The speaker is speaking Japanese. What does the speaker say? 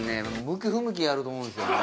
向き不向きがあると思うんですよね